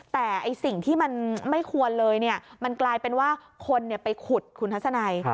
แต่สิ่งที่มันไม่ควรเลยมันกลายเป็นว่าคนไปขุดคุณทัศนัย